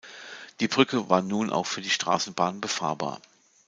Die Brücke war nun auch für die Straßenbahn befahrbar.